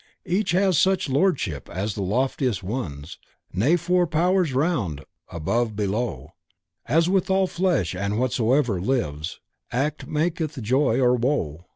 Each has such lordship as the loftiest ones Nay for with powers around, above, below As with all flesh and whatsoever lives Act maketh joy or woe.